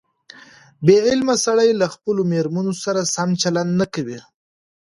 بې علمه سړي له خپلو مېرمنو سره سم چلند نه کوي.